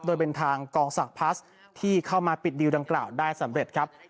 โดยเป็นทางกองสากพลัสที่เข้ามาปิดดิวดังกล่าวได้สำเร็จครับ